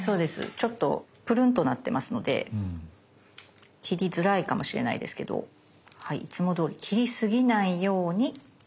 ちょっとプルンとなってますので切りづらいかもしれないですけどいつもどおり切りすぎないように。